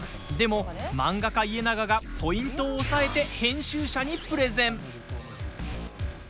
でも、漫画家イエナガがポイントを押さえて編集者にプレゼン。